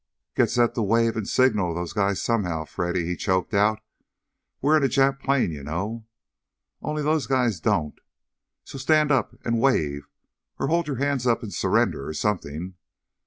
"Get set to wave and signal those guys somehow, Freddy!" he choked out. "We're in a Jap plane, you know. Only those guys don't. So stand up and wave, or hold your hands up in surrender, or something.